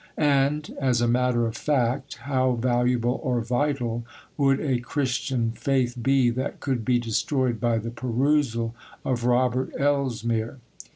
And, as a matter of fact, how valuable or vital would a Christian faith be that could be destroyed by the perusal of Robert Elsmere?